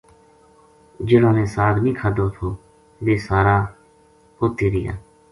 جہڑاں نے ساگ نیہہ کھادو تھو ویہ سارا ات ہی رہیا